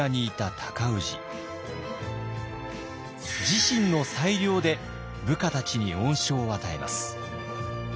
自身の裁量で部下たちに恩賞を与えます。